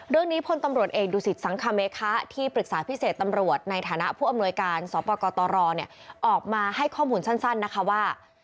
พลตำรวจเอกดุสิตสังคเมคะที่ปรึกษาพิเศษตำรวจในฐานะผู้อำนวยการสปกตรออกมาให้ข้อมูลสั้นนะคะว่า